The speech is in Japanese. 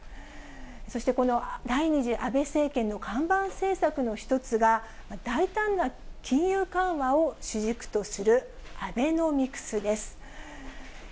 そしてこの第２次安倍政権の看板政策の一つが、大胆な金融緩和を主軸とするアベノミクスです。